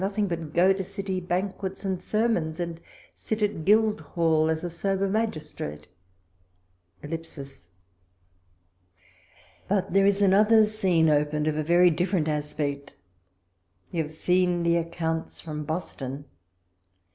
151 nothing but go to City banquets and sermons, and sit at Guildhall as a sober magistrate. ... But there is another scene opened of a very different aspect. You have seen the ac counts from Boston.